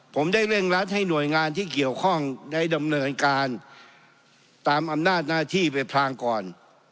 ผมได้เร่งรัดให้หน่วยงานที่เกี่ยวข้องได้ดำเนินการตามอำนาจหน้าที่ไปพรางก่อน